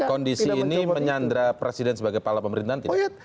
kondisi ini menyandra presiden sebagai kepala pemerintahan tidak